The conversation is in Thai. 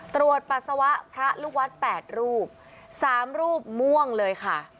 ปัสสาวะพระลูกวัด๘รูป๓รูปม่วงเลยค่ะ